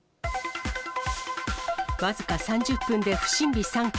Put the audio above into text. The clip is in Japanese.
僅か３０分で不審火３件。